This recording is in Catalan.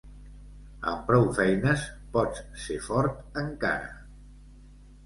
Amb prou feines pots ser fort encara.